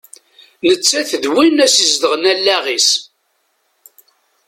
Nettat d win i as-izedɣen allaɣ-is.